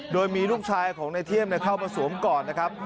โดยมีลูกชายของในเทียมเข้ามาสวมกอดนะครับ